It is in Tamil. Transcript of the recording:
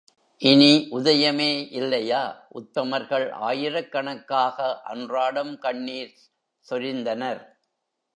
இனி உதயமே இல்லையா உத்தமர்கள் ஆயிரக்கணக்காக அன்றாடம் கண்ணீர் சொரிந்தனர்.